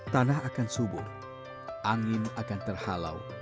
tanah akan subur angin akan terhalau